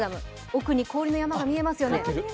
奥に氷の山が見えますよね。